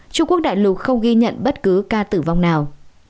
trung quốc đại lục không ghi nhận bất cứ ca tử vong nào